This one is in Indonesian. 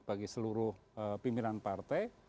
bagi seluruh pimpinan partai